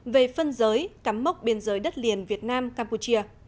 về phân giới cắm mốc biên giới đất liền việt nam campuchia